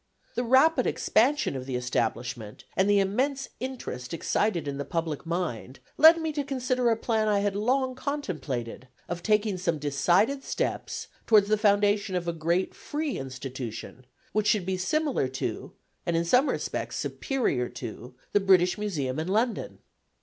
The rapid expansion of the establishment, and the immense interest excited in the public mind led me to consider a plan I had long contemplated, of taking some decided steps towards the foundation of a great free institution, which should be similar to and in some respects superior to the British Museum in London.